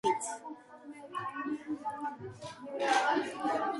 რამდენჯერმე იყო დაპატიმრებული მცირე ხნით.